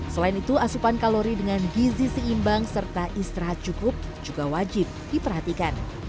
selain itu asupan kalori dengan gizi seimbang serta istirahat cukup juga wajib diperhatikan